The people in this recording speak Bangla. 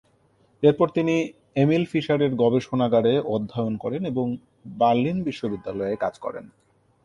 এরপর তিনি এমিল ফিশারের গবেষণাগারে অধ্যয়ন করেন এবং বার্লিন বিশ্ববিদ্যালয়ে কাজ করেন।